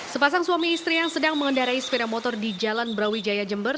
sepasang suami istri yang sedang mengendarai sepeda motor di jalan brawijaya jember